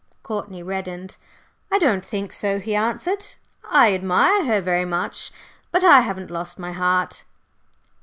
Courtney reddened. "I don't think so," he answered; "I admire her very much, but I haven't lost my heart.